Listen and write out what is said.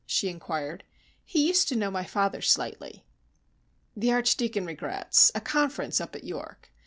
she inquired. "He used to know my father slightly." "The Archdeacon regrets a conference at York.